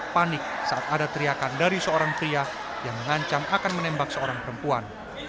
panik saat ada teriakan dari seorang pria yang mengancam akan menembak seorang perempuan